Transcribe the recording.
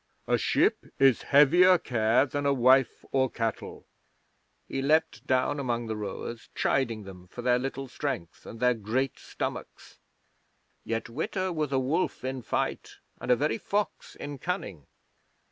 A ship is heavier care than a wife or cattle." 'He leaped down among the rowers, chiding them for their little strength and their great stomachs. Yet Witta was a wolf in fight, and a very fox in cunning.